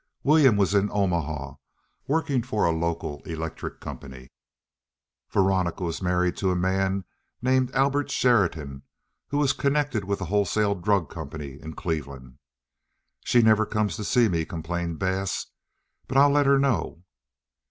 William was in Omaha, working for a local electric company. Veronica was married to a man named Albert Sheridan, who was connected with a wholesale drug company in Cleveland. "She never comes to see me," complained Bass, "but I'll let her know."